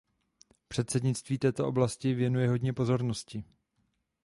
Předsednictví této oblasti věnuje hodně pozornosti.